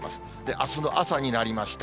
あすの朝になりました。